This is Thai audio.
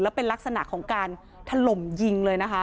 เป็นลักษณะของการถล่มยิงเลยนะคะ